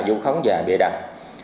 vụ khống và bị đặt